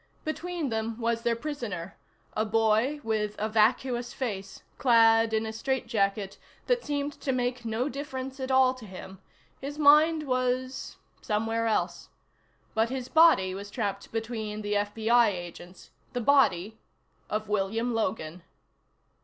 Between them was their prisoner, a boy with a vacuous face, clad in a straitjacket that seemed to make no difference at all to him. His mind was somewhere else. But his body was trapped between the FBI agents: the body of William Logan.